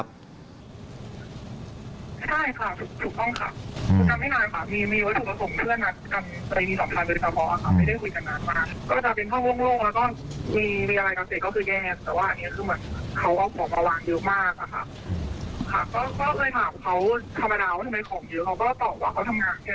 ก็เคยถามเขาธรรมดาวน์ว่าทำไมของเยอะเค้าก็ตอบว่าเขาทำงานใช่หรอ